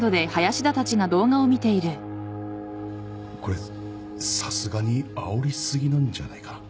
これさすがにあおりすぎなんじゃないかな。